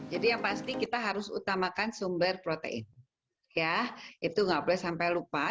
jadi yang pasti kita harus utamakan sumber protein itu nggak boleh sampai lupa